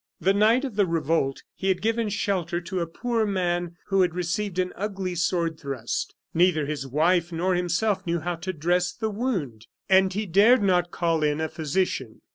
The night of the revolt he had given shelter to a poor man who had received an ugly sword thrust. Neither his wife nor himself knew how to dress the wound, and he dared not call in a physician.